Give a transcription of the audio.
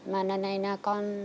mà lần này là con